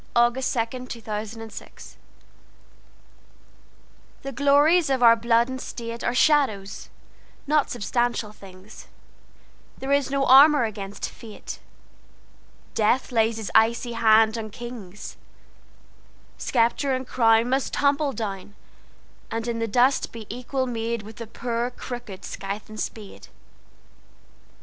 James Shirley LXIX. Death the Leveller THE GLORIES of our blood and stateAre shadows, not substantial things; There is no armour against fate; Death lays his icy hand on kings:Sceptre and crownMust tumble down, And in the dust be equal madeWith the poor crooked scythe and spade.